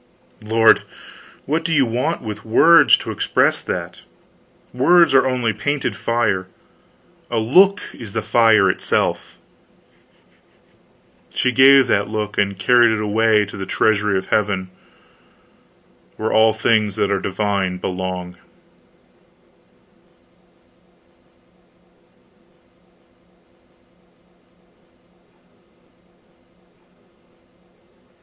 Lord, what do you want with words to express that? Words are only painted fire; a look is the fire itself. She gave that look, and carried it away to the treasury of heaven, where all things that are divine belong.